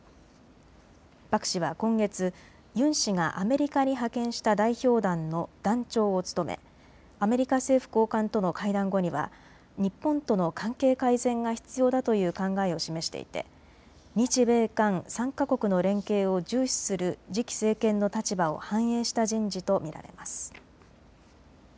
パク氏は今月アメリカに派遣した代表団の団長を務め、アメリカ政府高官との会談後には日本との関係改善が必要だという考えを示していて日米韓３か国の連携を重視する次期政権の立場を反映した人事と見られます。